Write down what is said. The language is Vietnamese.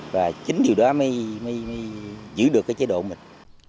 và chính điều đó mới giữ được cái chế độ mình